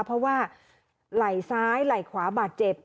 เพราะว่าไหล่ซ้ายไหล่ขวาบาดเจ็บ